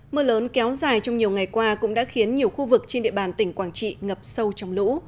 mưa lớn kéo dài trong nhiều ngày qua cũng đã khiến nhiều khu vực trên địa bàn tỉnh quảng trị ngập sâu trong lũ